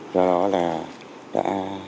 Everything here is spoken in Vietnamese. do đó là đã